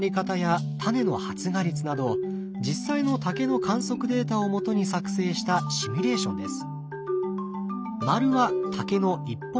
実際の竹の観測データをもとに作成したシミュレーションです。